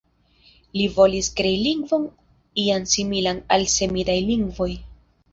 Li volis krei lingvon ian similan al semidaj lingvoj.